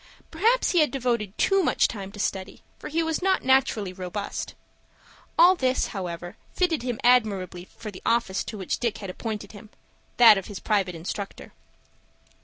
Perhaps he had devoted too much time to study, for he was not naturally robust. All this, however, fitted him admirably for the office to which Dick had appointed him,—that of his private instructor.